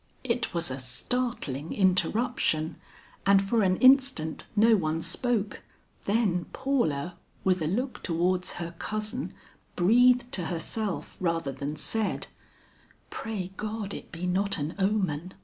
It was a startling interruption and for an instant no one spoke, then Paula with a look towards her cousin breathed to herself rather than said, "Pray God it be not an omen!"